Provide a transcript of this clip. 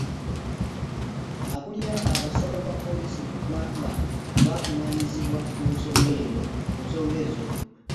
Akulira abasawo ba poliisi mu ggwanga yavunaanyizibwa ku nsonga ezo.